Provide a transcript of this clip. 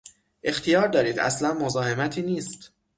اختیار دارید، اصلا مزاحمتی نیست!